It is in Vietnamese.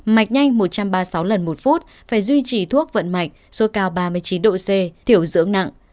mạch nhanh một trăm ba mươi sáu lần một phút phải duy trì thuốc vận mạch số cao ba mươi chín độ c tiểu dưỡng nặng